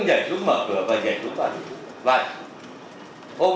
cái thứ hai nữa là đã chuẩn bị súng